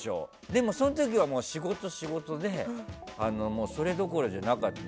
でも、その時は仕事、仕事でそれどころじゃなかった。